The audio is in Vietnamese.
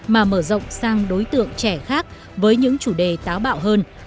mà mở rộng sang đối tượng trẻ khác với những chủ đề táo bạo hơn